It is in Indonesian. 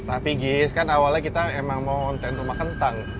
tapi gis kan awalnya kita emang mau ontent rumah kentang